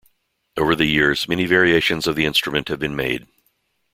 Over the years many variations of the instrument have been made.